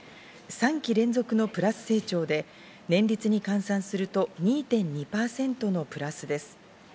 ３期連続のプラス成長で年率に換算すると、２．２％のプラスです。